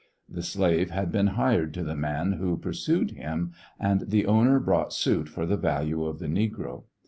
The slave had been hired to the man who purpued him, and the owner brought suit for the value of the negro.